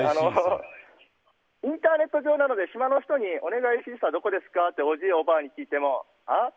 インターネット上なので島の人にお願いシーサーどこですか？っておじい、おばあに聞いてもはあ？